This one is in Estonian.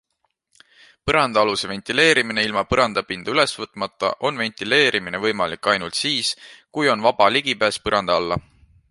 Põrandaaluse ventileerimine Ilma põrandapinda ülesvõtmata on ventileerimine võimalik ainult siis, kui on vaba ligipääs põranda alla.